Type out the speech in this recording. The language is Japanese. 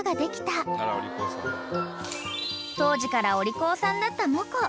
［当時からお利口さんだったモコ］